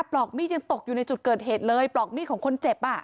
ปลอกมีดยังตกอยู่ในจุดเกิดเหตุเลยปลอกมีดของคนเจ็บ